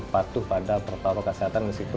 patuh pada protokol kesehatan meskipun